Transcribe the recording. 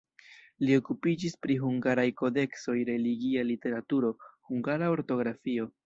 Li okupiĝis pri hungaraj kodeksoj, religia literaturo, hungara ortografio.